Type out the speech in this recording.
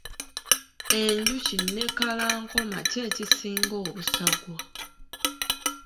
Enjuki ne kalalankoma ki ekisinga obusagwa?